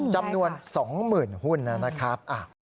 จำนวน๒หมื่นหุ้นนะครับ